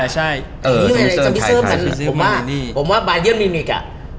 สัมพิษรเป็นผมว่าบายเย็นมีมิคอ่ะ